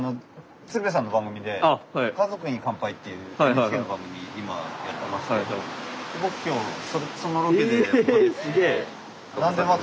鶴瓶さんの番組で「家族に乾杯」っていうＮＨＫの番組今やってまして僕今日そのロケでここに来て。